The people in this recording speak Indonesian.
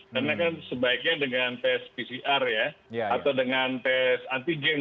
karena kan sebaiknya dengan tes pcr ya atau dengan tes anti geng